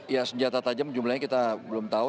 ya senjata tajam jumlahnya kita belum tahu